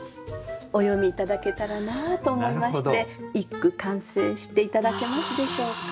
お詠み頂けたらなと思いまして一句完成して頂けますでしょうか。